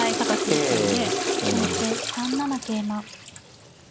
先手３七桂馬。